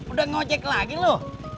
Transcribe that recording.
udah ngojek lagi lu